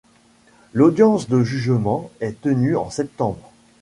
L'audience de jugement est tenue en septembre.